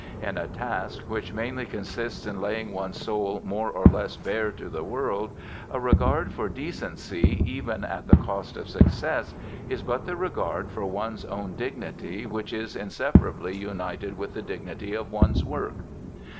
In a task which mainly consists in laying one's soul more or less bare to the world, a regard for decency, even at the cost of success, is but the regard for one's own dignity which is inseparably united with the dignity of one's work.